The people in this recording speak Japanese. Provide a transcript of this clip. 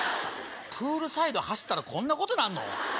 プールサイド走ったらこんなことになるの？